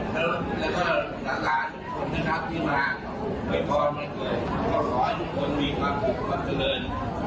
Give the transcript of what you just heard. ขอขอให้ทุกคนมีความสุขขอบคุณเกินมีวินทรัพย์ขอขอบคุณครับ